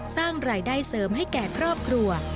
สร้างรายได้เสริมให้แก่ครอบครัว